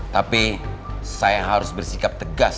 tapi saya harus bersikap tegas